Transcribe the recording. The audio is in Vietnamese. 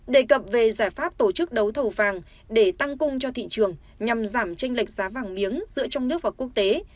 đề cập về giải pháp tổ chức đấu thầu vàng để tăng cung cho thị trường nhằm giảm tranh lệch giá vàng miếng giữa trong nước và quốc tế